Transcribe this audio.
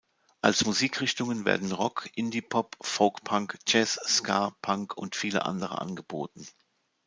Als Musikrichtungen werden Rock, Indie-Pop, Folk-Punk, Jazz, Ska, Punk und viele andere angeboten.